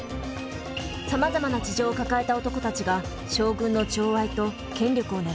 さまざまな事情を抱えた男たちが将軍の寵愛と権力を狙います。